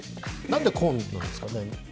何でコンなんですかね。